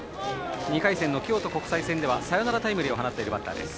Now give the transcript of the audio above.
２回戦の京都国際戦ではサヨナラタイムリーを放っているバッターです。